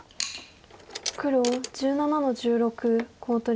黒１７の十六コウ取り。